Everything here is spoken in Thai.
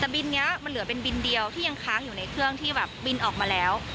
แต่บินนี้มันเหลือเป็นบินเดียวที่ยังค้างอยู่ในเครื่องที่แบบบินออกมาแล้ว